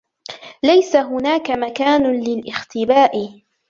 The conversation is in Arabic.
ليس هناك مكان للاختباء.